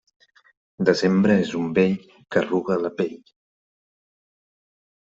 Desembre és un vell que arruga la pell.